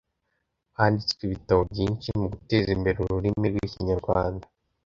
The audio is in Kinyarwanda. Handitswe ibitabo byinshi muguteza imbere ururimi rw’ikinyarwanda